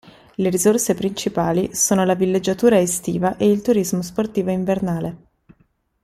Le risorse principali sono la villeggiatura estiva e il turismo sportivo invernale.